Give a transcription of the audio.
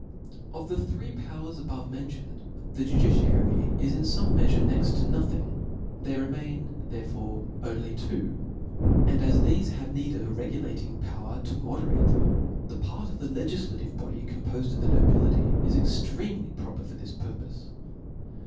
Of the three powers above mentioned, the judiciary is in Ibme meafure next to nothing: there remain therefore only two ; and as thefe have need of a regulating power to moderatt them, the part of the legiflative body colfnpofed of the nobility, is extremely proper for this pur pofe.